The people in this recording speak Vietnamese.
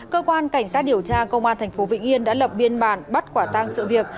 cơ quan cảnh sát điều tra công an tp vĩnh yên đã lập biên bản bắt quả tang sự việc